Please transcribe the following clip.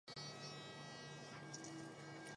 后来的凯旋仪式变得越来越复杂。